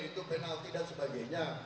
itu penalti dan sebagainya